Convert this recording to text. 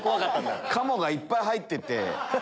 鴨がいっぱい入ってて。